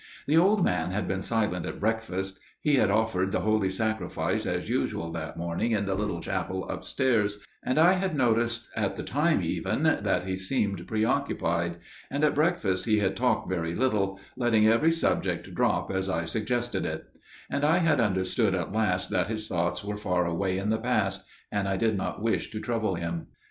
The old man had been silent at breakfast. He had offered the Holy Sacrifice as usual that morning in the little chapel upstairs, and I had noticed at the time even that he seemed pre occupied: and at breakfast he had talked very little, letting every subject drop as I suggested it; and I had understood at last that his thoughts were far away in the past; and I did not wish to trouble him.